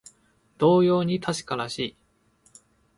同様に確からしい